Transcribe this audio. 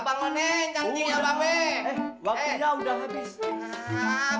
waktunya udah habis